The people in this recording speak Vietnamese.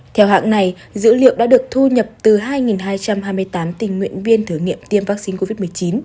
theo hạng này dữ liệu đã được thu nhập từ hai hai trăm hai mươi tám tình nguyện viên thử nghiệm tiêm vắc xin covid một mươi chín